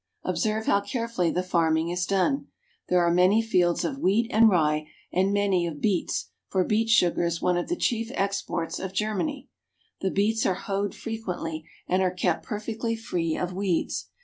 Observe how carefully the farming is done ! There are many fields of wheat and rye, and many of beets, for beet sugar is one of the chief exports of Germany. The beets are hoed frequently and are kept perfectly free of weeds.